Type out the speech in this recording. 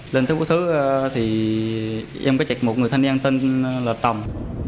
lên thứ thứ thì em có chạy một người thân em tên là tòng